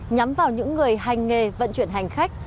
nhắm vào những người hành nghề vận chuyển hành khách